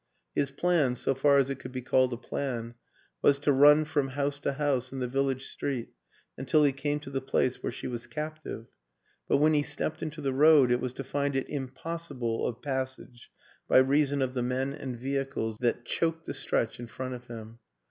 His plan, so far as it could be called a plan, was to run from house to house in the village street until he came to the place where she was captive; but when he stepped into the road it was to find it impossible of passage by reason of the men and vehicles that WILLIAM AN ENGLISHMAN 135 choked the stretch in front of him.